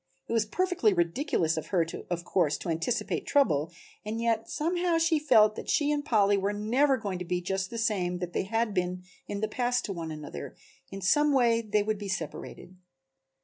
It was perfectly ridiculous of her of course to anticipate trouble, and yet somehow she felt that she and Polly were never going to be just the same that they had been in the past to one another, in some way they would be separated.